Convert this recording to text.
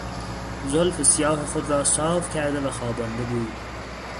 زلف سیاه خود را صاف کرده و خوابانده بود.